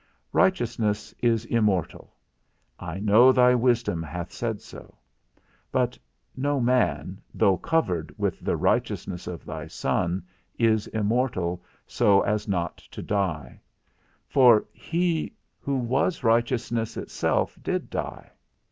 Righteousness is immortal; I know thy wisdom hath said so; but no man, though covered with the righteousness of thy Son, is immortal so as not to die; for he who was righteousness itself did die.